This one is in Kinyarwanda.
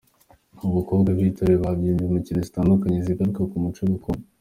Abakobwa b'iri torero babyinnye imbyino zitandukanye zigaruka ku muco gakondo.